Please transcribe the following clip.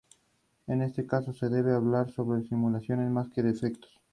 Homer intenta bajar su frisbee del tejado con una bola de bolos.